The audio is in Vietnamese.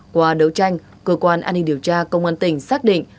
qua đấu tranh cơ quan an ninh điều tra công an tỉnh xác định